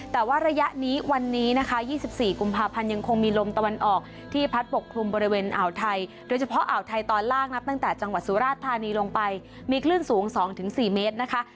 แต่ว่าระยะนี้วันนี้นะคะ๒๔กุมภาพันธ์ยังคงมีลมตะวันออกที่พัดปกคลุมบริเวณอ่าวไทยโดยเฉพาะอ่าวไทยตอนล่างนับตั้งแต่จังหวัดสุราชธานีลงไปมีคลื่นสูง๒๔เมตรนะคะ